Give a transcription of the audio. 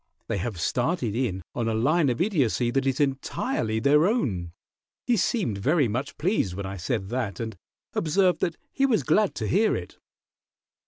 They have started in on a line of Idiocy that is entirely their own. He seemed very much pleased when I said that, and observed that he was glad to hear it."